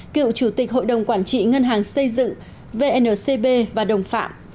cựu chủ tịch hội đồng quản trị ngân hàng xây dựng vncb và đồng phạm